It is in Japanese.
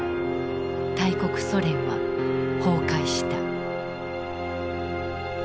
大国ソ連は崩壊した。